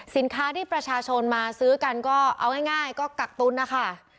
สินค้าที่ประชาชนมาซื้อกันก็เอาง่ายก็กักตุ้นนะคะ